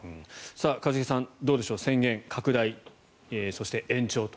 一茂さん、どうでしょう宣言拡大そして延長と。